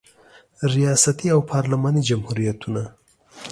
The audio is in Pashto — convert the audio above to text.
ریاستي او پارلماني جمهوریتونه